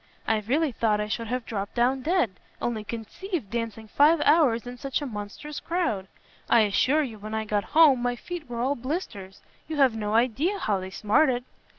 I really thought I should have dropt down dead. Only conceive dancing five hours in such a monstrous crowd! I assure you when I got home my feet were all blisters. You have no idea how they smarted."